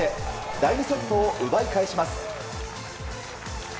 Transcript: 第２セットを奪い返します。